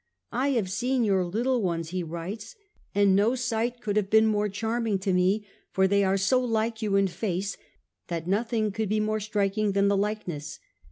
' I have seen your little ones,' he writes, ' and no sight could have been more charming to me, foi they are so like you in face that nothing could be more striking than the likeness.